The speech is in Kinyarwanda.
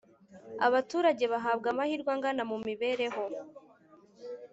abaturage bahabwa amahirwe angana mu mibereho